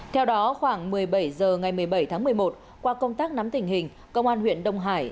theo đó khoảng một mươi bảy h ngày một mươi bảy tháng một mươi một qua công tác nắm tình hình công an huyện đông hải